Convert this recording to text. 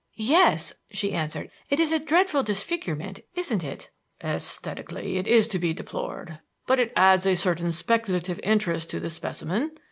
"Yes," she answered. "It is a dreadful disfigurement, isn't it?" "Esthetically it is to be deplored, but it adds a certain speculative interest to the specimen.